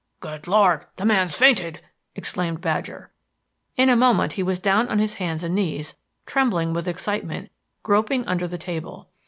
"Good Lord! The man's fainted!" exclaimed Badger. In a moment he was down on his hands and knees, trembling with excitement, groping under the table.